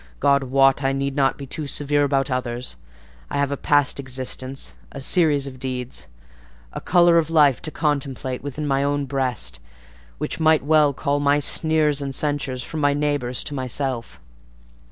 God wot I need not be too severe about others; I have a past existence, a series of deeds, a colour of life to contemplate within my own breast, which might well call my sneers and censures from my neighbours to myself.